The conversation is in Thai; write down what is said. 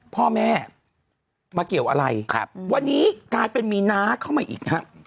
พ่อแม่มาเกี่ยวอะไรครับวันนี้กลายเป็นมีน้าเข้ามาอีกฮะ